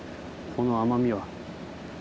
この甘みは。